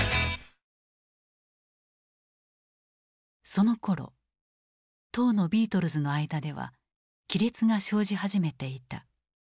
そのころ当のビートルズの間では亀裂が生じ始めていた。